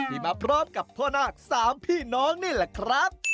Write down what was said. มาพร้อมกับพ่อนาค๓พี่น้องนี่แหละครับ